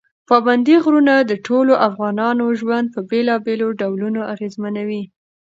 پابندي غرونه د ټولو افغانانو ژوند په بېلابېلو ډولونو اغېزمنوي.